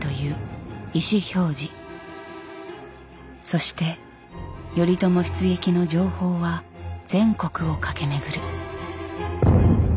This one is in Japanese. そして頼朝出撃の情報は全国を駆け巡る。